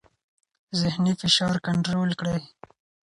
ذهني فشار کنټرول کړئ.